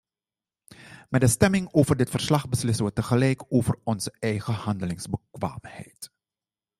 Met de stemming over dit verslag beslissen wij tegelijk over onze eigen handelingsbekwaamheid.